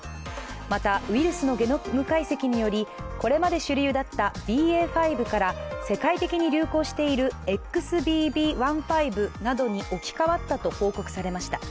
また、ウイルスのゲノム解析によりこれまで主流だったＢＡ．５から世界的に流行しているＸＢＢ．１．５などに置き換わったと報告されました。